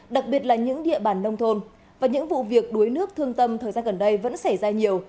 đặc biệt là những địa bàn nông thôn và những vụ việc đuối nước thương tâm thời gian gần đây vẫn xảy ra nhiều